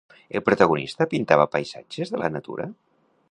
El protagonista pintava paisatges de la natura?